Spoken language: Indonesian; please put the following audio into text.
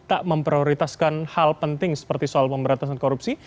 tak memprioritaskan hal penting seperti soal pemberantasan korupsi